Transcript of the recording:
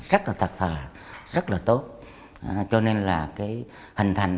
đại án canh thần